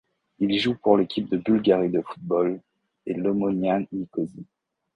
Il joue pour l'Équipe de Bulgarie de football et l'Omonia Nicosie.